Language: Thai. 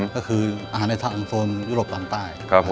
ก็คืออาหารในทางของโซนยุโรปตอนใต้